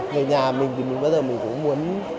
người nhà mình thì bây giờ mình cũng muốn